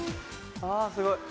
あすごい。